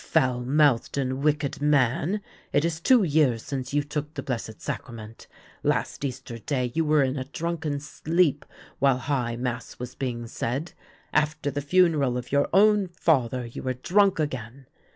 " Foul mouthed and wicked man, it is two years since you took the Blessed Sacrament. Last Easter Day you were in a drunken sleep while high mass was being said; after the funeral of your own father you were drunk again.